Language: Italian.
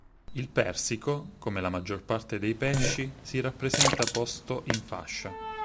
Il persico, come la maggior parte dei pesci, si rappresenta posto in fascia.